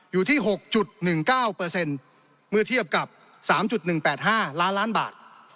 อยู่ที่๖๑๙เมื่อเทียบกับ๓๑๘๕ล้านล้านบาท